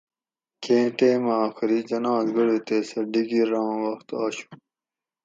کیں ٹیمہ آخری جناز گڑُو تے سہۤ ڈِگیر آں وخت آشو